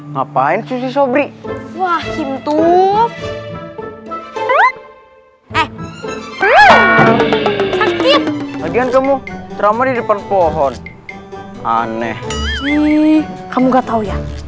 ngapain susi sobri wah hintu eh sakit bagian kamu drama di depan pohon aneh kamu nggak tau ya